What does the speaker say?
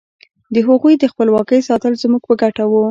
د هغوی د خپلواکۍ ساتل زموږ په ګټه وو.